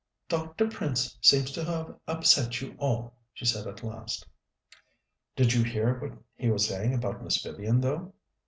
"Dr. Prince seems to have upset you all," she said at last. "Did you hear what he was saying about Miss Vivian, though?"